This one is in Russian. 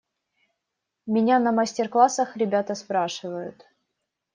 Меня на мастер-классах ребята спрашивают.